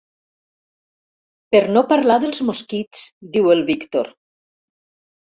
Per no parlar dels mosquits —diu el Víctor.